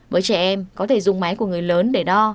với trẻ em có thể dùng máy của người lớn để đo